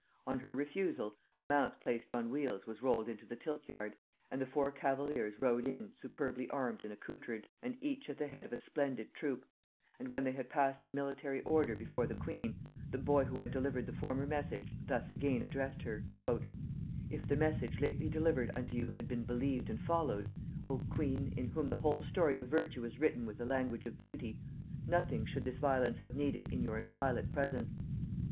On her refusal, a mount placed on wheels was rolled into the tilt yard, and the four cavaliers rode in superbly armed and accoutred, and each at the head of a splendid troop; and when they had passed in military order before the queen, the boy who had delivered the former message thus again addressed her: "If the message lately delivered unto you had been believed and followed, O queen! in whom the whole story of virtue is written with the language of beauty; nothing should this violence have needed in your inviolate presence.